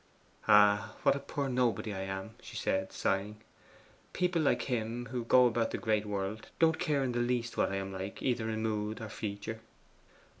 'Ah, what a poor nobody I am!' she said, sighing. 'People like him, who go about the great world, don't care in the least what I am like either in mood or feature.